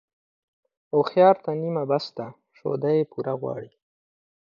هوښيار ته نيمه بس ده ، شوده يې پوره غواړي.